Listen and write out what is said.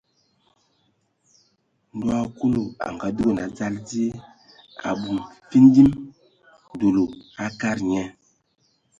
Ndo Kulu a ngadugan a dzal die, abum findim, dulu a kadag nye.